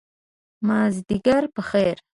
مازدیګر په خیر !